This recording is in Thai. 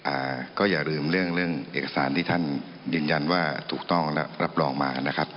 อ่าก็อย่าลืมเรื่องเรื่องเอกสารที่ท่านยืนยันว่าถูกต้องและรับรองมานะครับ